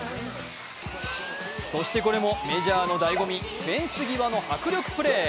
そしてこれもメジャーのだいご味、フェンス際の迫力プレー。